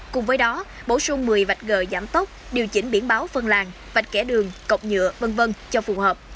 cùng với đó bổ sung một mươi vạch gờ giảm tốc điều chỉnh biển báo phân làng vạch kẻ đường cọc nhựa v v cho phù hợp